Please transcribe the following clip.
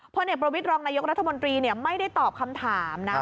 พลเอกประวิทธิ์รองนายกรัฐมนตรีไม่ได้ตอบคำถามนะครับ